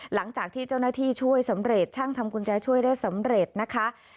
หลังจากที่เจ้าหน้าที่ช่วยสำเร็จช่างทำกุญแจช่วยได้สำเร็จนะคะ